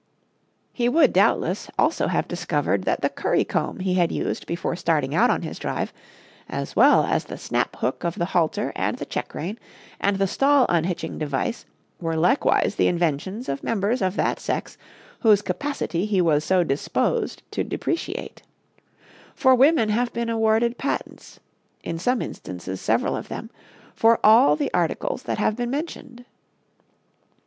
He would, doubtless, also have discovered that the currycomb he had used before starting out on his drive, as well as the snap hook of the halter and the checkrein and the stall unhitching device were likewise the inventions of members of that sex whose capacity he was so disposed to depreciate; for women have been awarded patents in some instances several of them for all the articles that have been mentioned.